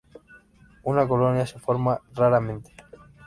Una colonia se forma raramente.